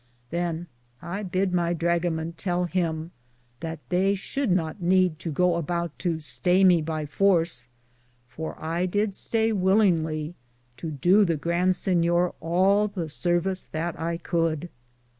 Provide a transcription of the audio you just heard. Than I bid my drugaman tell him that they should not need to go aboute to staye me by force, for I did staye willingly to doo the Grand Sinyor all the sarvis that I could.